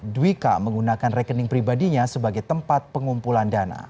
dwika menggunakan rekening pribadinya sebagai tempat pengumpulan dana